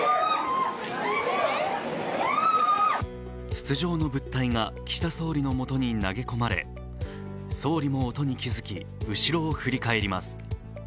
筒状の物体が岸田総理の元に投げ込まれ総理も音に気づき、後ろを振り返ります。